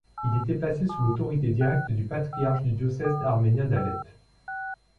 Il était placé sous l'autorité directe du patriarche du diocèse arménien d'Alep.